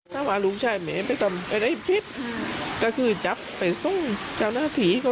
เราแบบเออมาเอาไปทิ้งอยู่ตรงนั้นจงใจนะฮะ